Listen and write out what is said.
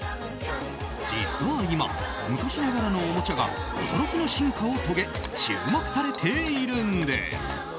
実は今、昔ながらのおもちゃが驚きの進化を遂げ注目されているんです。